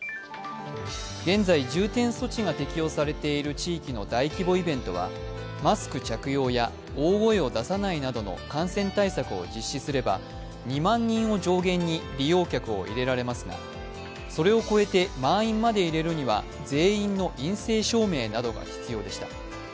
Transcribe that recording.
現在、重点措置が適用されている地域の大規模イベントはマスク着用や大声を出さないなどの感染対策を実施すれば２万人を上限に利用客を入れられますがそれを超えて満員まで入れるには全員の陰性証明などが必要でした。